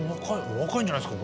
若いんじゃないんですか？